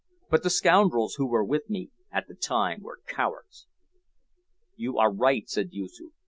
But the scoundrels who were with me at the time were cowards." "You are right," said Yoosoof.